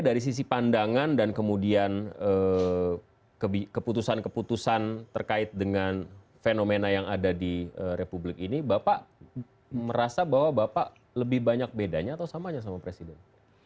dari sisi pandangan dan kemudian keputusan keputusan terkait dengan fenomena yang ada di republik ini bapak merasa bahwa bapak lebih banyak bedanya atau samanya sama presiden